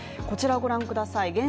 こちらをご覧ください